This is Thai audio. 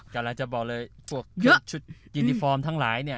อยากจะบอกเลยเพราะแคบชุดยินติฟอร์มทั้งหลาย